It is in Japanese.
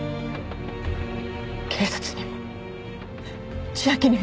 警察にも千明にも。